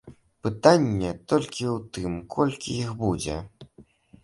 Пытанне толькі ў тым, колькі іх будзе.